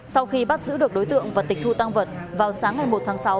sau khi bắt giữ được đối tượng và tịch thu tăng vật vào sáng ngày một tháng sáu